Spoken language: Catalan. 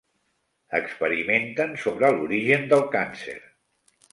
Experimenten sobre l'origen del càncer.